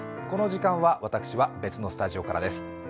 この時間は私は別のスタジオからです。